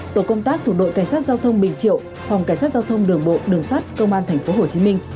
tổ công tác thủ đội cảnh sát giao thông bình triệu phòng cảnh sát giao thông đường bộ đường sát công an thành phố hồ chí minh